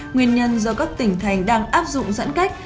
nguyên nhân do các tỉnh thành đang áp dụng giãn cách